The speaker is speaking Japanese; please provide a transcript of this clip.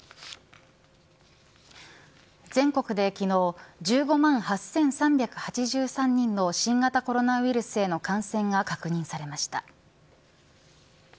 全国で昨日１５万８３８３人の新型コロナウイルスへの感染が確認されました。